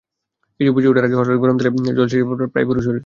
কিছু বুঝে ওঠার আগেই হঠাৎ গরম তেলে ঝলসে যায় প্রায় পুরো শরীর।